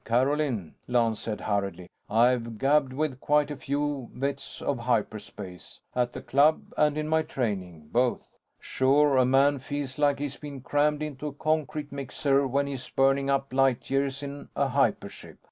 "Carolyn," Lance said, hurriedly. "I've gabbed with quite a few vets of hyperspace. At the Club and in my training, both. Sure, a man feels like he's been crammed into a concrete mixer when he's burning up light years in a hyper ship.